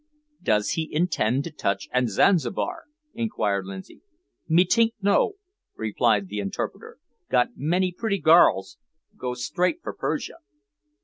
"Does he intend to touch at Zanzibar?" inquired Lindsay. "Me tink no," replied the interpreter; "got many pritty garls go straight for Persia."